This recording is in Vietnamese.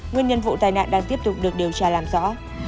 nguyên nhân vụ tai nạn đang tiếp tục được điều tra làm rõ